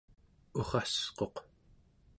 urrasquq